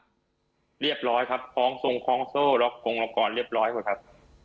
เรียบร้อยครับฮองทรงฮองโซลแล้วก็ล็อกของเรียบร้อยครับ